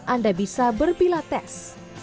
anda bisa berpilates